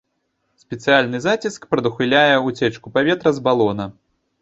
Спецыяльны заціск прадухіляе уцечку паветра з балона.